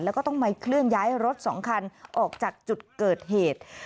แล้วก็ต้องมาเคลื่อนย้ายรถ๒คันออกจากจุดเกิดเหตุ